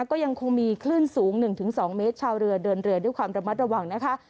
ก็ยังคงมีคลื่นสูง๑๒เมตรชาวเรือเดินเรือด้วยความระมัดระวังนะคะ